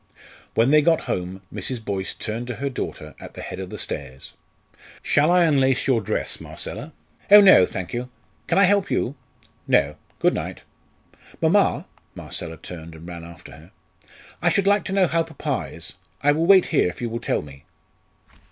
When they got home, Mrs. Boyce turned to her daughter at the head of the stairs, "Shall I unlace your dress, Marcella?" "Oh no, thank you. Can I help you?" "No. Good night." "Mamma!" Marcella turned and ran after her. "I should like to know how papa is. I will wait here if you will tell me."